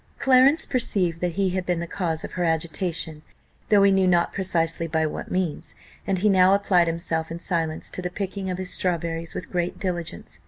Clarence perceived that he had been the cause of her agitation, though he knew not precisely by what means; and he now applied himself in silence to the picking of his strawberries with great diligence.